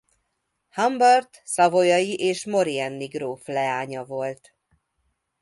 Humbert savoyai és maurienne-i gróf leánya volt.